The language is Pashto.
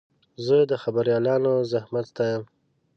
زه د خبریالانو زحمت ستایم.